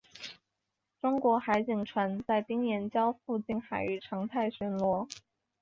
中国海警船在丁岩礁附近海域常态巡逻。